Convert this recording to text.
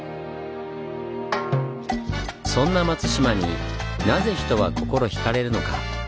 そんな松島になぜ人は心ひかれるのか？